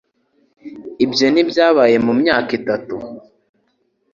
Ibyo ntibyabaye mu myaka itatu